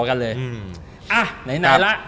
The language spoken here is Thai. อะไหนละ